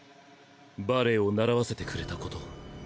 バレエを習わせてくれたこと。